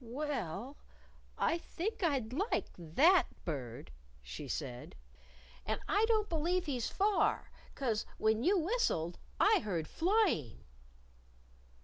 "Well, I think I'd like that Bird," she said. "And I don't believe he's far. 'Cause when you whistled I heard flying."